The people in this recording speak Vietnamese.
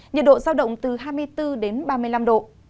nhiệt độ giao động từ hai mươi bốn đến ba mươi năm độ